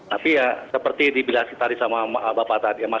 tapi ya seperti dibilas tadi sama bapak tadi ya